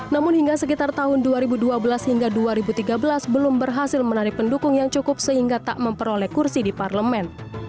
namun hingga sekitar tahun dua ribu dua belas hingga dua ribu tiga belas belum berhasil menarik pendukung yang cukup sehingga tak memperoleh kursi di parlemen